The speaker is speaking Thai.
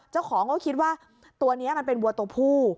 จะของเขาคิดว่าตัวนี้มันเป็นวัวตัวภู่